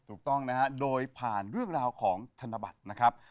ถูกต้องนะฮะโดยผ่านเรื่องราวของธนบัตรนะครับ